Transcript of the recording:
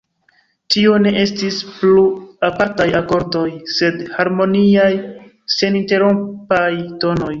Tio ne estis plu apartaj akordoj, sed harmoniaj, seninterrompaj tonoj.